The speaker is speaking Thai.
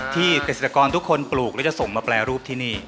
เกษตรกรทุกคนปลูกแล้วจะส่งมาแปรรูปที่นี่